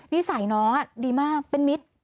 นิสัยน้องดีมากเป็นมิตร